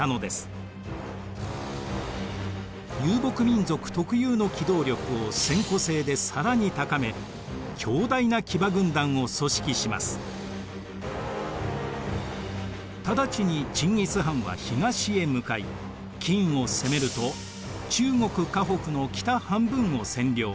遊牧民族特有の機動力を千戸制で更に高め直ちにチンギス・ハンは東へ向かい金を攻めると中国・華北の北半分を占領。